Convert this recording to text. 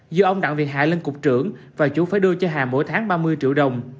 giữa ông đặng việt hà lên cục trưởng và chủ phải đưa cho hà mỗi tháng ba mươi triệu đồng